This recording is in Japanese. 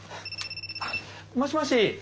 あっもしもし。